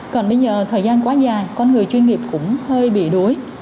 còn bây giờ thời gian quá dài con người chuyên nghiệp cũng hơi bị đuối